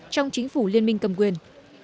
trong chính phủ liên minh cầm quyền